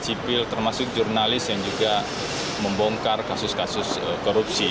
sipil termasuk jurnalis yang juga membongkar kasus kasus korupsi